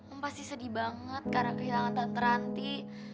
om pasti sedih banget karena kehilangan tante ranti